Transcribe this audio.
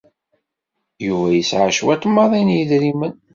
Yuba yesɛa cwiṭ maḍi n yedrimen.